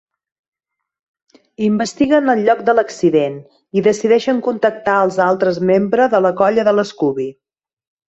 Investiguen el lloc de l'accident i decideixen contactar els altres membre de la colla de l'Scooby.